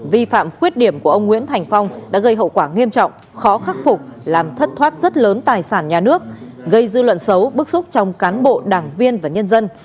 vi phạm khuyết điểm của ông nguyễn thành phong đã gây hậu quả nghiêm trọng khó khắc phục làm thất thoát rất lớn tài sản nhà nước gây dư luận xấu bức xúc trong cán bộ đảng viên và nhân dân